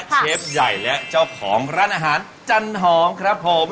เชฟใหญ่และเจ้าของร้านอาหารจันหอมครับผม